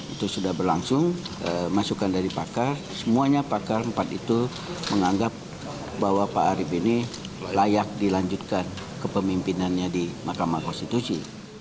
itu sudah berlangsung masukan dari pakar semuanya pakar empat itu menganggap bahwa pak arief ini layak dilanjutkan kepemimpinannya di mahkamah konstitusi